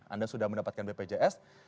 anda sudah mendapatkan bpjs